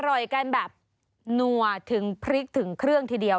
อร่อยกันแบบนัวถึงพริกถึงเครื่องทีเดียว